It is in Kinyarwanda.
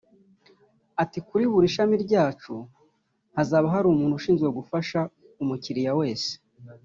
Ati “Kuri buri shami ryacu hazaba hari umuntu ushinzwe gufasha umukiriya wese